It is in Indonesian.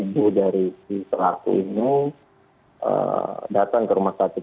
ibu dari si pelaku ini datang ke rumah sakit